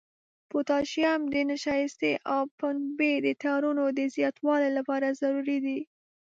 پوتاشیم د نشایستې او پنبې د تارونو د زیاتوالي لپاره ضروري دی.